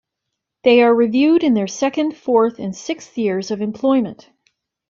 They are reviewed in their second, fourth, and sixth years of employment.